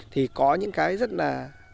thì có những cái rất là